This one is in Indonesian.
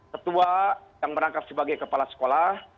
ketua yang merangkap sebagai kepala sekolah